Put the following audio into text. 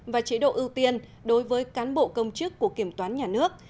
và chế độ ưu tiên đối với cán bộ công chức của kiểm toán nhà nước